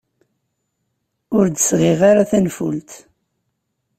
Ur d-sɣiɣ ara tanfult.